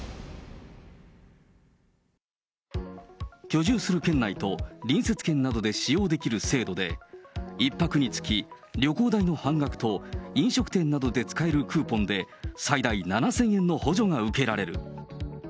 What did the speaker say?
居住する県内と隣接県などで使用できる制度で、１泊につき旅行代の半額と、飲食店などで使えるクーポンで、最大７０００円分の補助が受けられる。